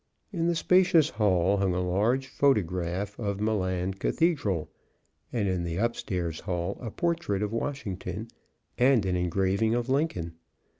In the spacious hall hung a large photograph of Milan Cathedral, and in the upstairs hall, a portrait of Washington and an engraving of Lincoln.